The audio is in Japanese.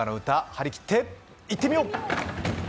張り切っていってみよう。